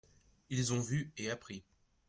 Ils ont vu et appris.